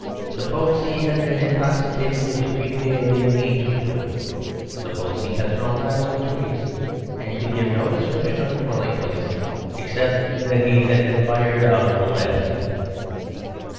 Suppose he had been intoxicated with the green gaiety of the ancient wood. Suppose he had thrown knives at trees and could give no description of a dwelling place except that he had been fired out of the last.